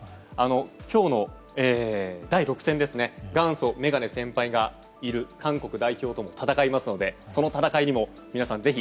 今日の第６戦元祖メガネ先輩がいる韓国代表とも戦いますのでその戦いにも皆さん